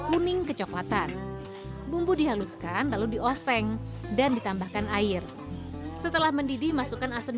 kuning kecoklatan bumbu dihaluskan lalu di oseng dan ditambahkan air setelah mendidih masukkan asam